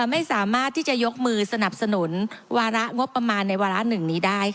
ไม่สามารถที่จะยกมือสนับสนุนวาระงบประมาณในวาระ๑นี้ได้ค่ะ